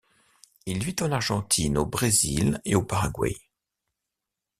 Il vit en Argentine, au Brésil et au Paraguay.